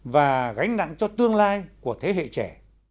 và gánh nặng cho tương lai của thế hệ trẻ